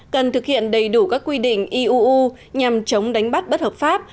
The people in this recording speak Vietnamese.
cần thực hiện đầy đủ các quy định iuu nhằm chống đánh bắt bất hợp pháp